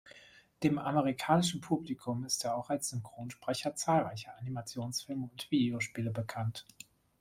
Dem amerikanischen Publikum ist er auch als Synchronsprecher zahlreicher Animationsfilme und Videospiele bekannt.